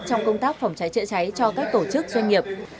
trong công tác phòng cháy chữa cháy cho các tổ chức doanh nghiệp